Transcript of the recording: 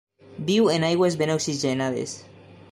Viu en aigües ben oxigenades.